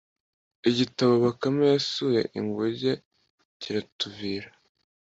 igitabo bakame yasuye inguge kiratuvira